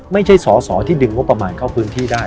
ไม่ใช่สอสอที่ดึงงบประมาณเข้าพื้นที่ได้